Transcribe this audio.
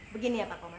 begini ya pak komar